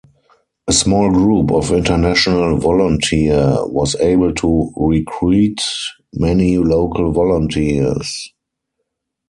A small group of international volunteer was able to recruit many local volunteers.